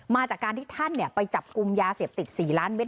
มาจากการที่ท่านไปจับกลุ่มยาเสพติด๔ล้านเมตร